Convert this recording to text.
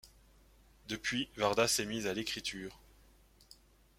Depuis, Varda s'est mise à l'écriture.